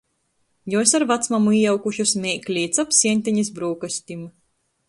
Juos ar vacmamu ījaukušys meikli i cap sieņtenis brūkastim.